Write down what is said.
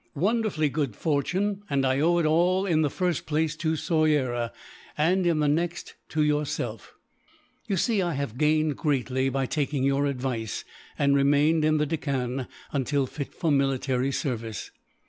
"Wonderfully good fortune! and I owe it all, in the first place to Soyera, and in the next to yourself. You see, I have gained greatly by taking your advice, and remaining in the Deccan until fit for military service.